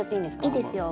いいですよ